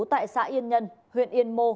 tại xã yên nhân huyện yên mô